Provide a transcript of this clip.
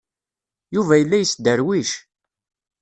Yuba yella yesderwic.